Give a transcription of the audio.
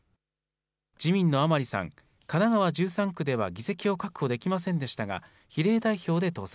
自民の甘利さん、神奈川１３区では議席を確保できませんでしたが、比例代表で当選。